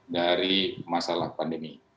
dari masalah pandemi